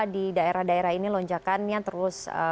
di daerah daerah ini lonjakannya terus